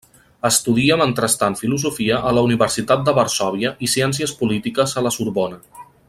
Estudia mentrestant filosofia a la Universitat de Varsòvia i ciències polítiques a la Sorbona.